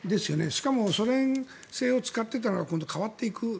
しかも、ソ連製を使っていたら今度は変わっていく。